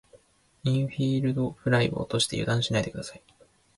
インフィールドフライを落として油断しないで下さい。